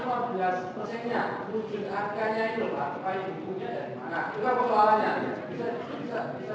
saya baca main ciara setelah kutip bahasa inggris